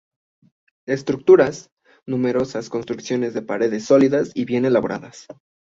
Estructuras: numerosas construcciones de paredes sólidas y bien labradas.